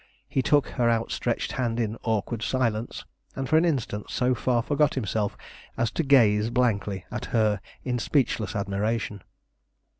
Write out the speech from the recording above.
He took her outstretched hand in awkward silence, and for an instant so far forgot himself as to gaze blankly at her in speechless admiration.